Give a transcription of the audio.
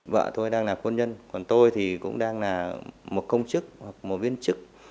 vợ tôi đang là quân nhân còn tôi thì cũng đang là một công chức hoặc một viên chức